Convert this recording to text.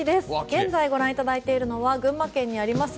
現在、ご覧いただいているのは群馬県にあります